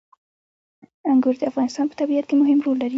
انګور د افغانستان په طبیعت کې مهم رول لري.